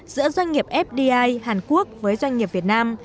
giữa doanh nghiệp fdi hàn quốc với doanh nghiệp việt nam